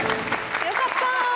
よかった！